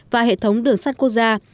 và hệ thống đường sắt quốc gia